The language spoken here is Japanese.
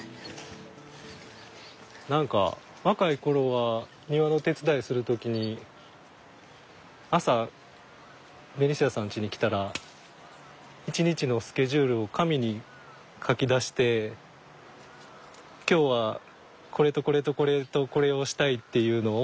何か若い頃は庭の手伝いする時に朝ベニシアさんちに来たら一日のスケジュールを紙に書き出して今日はこれとこれとこれとこれをしたいっていうのを。